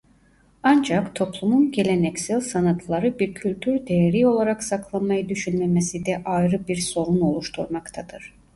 Ancak toplumun geleneksel sanatları bir kültür değeri olarak saklamayı düşünmemesi de ayrı bir sorun oluşturmaktadır.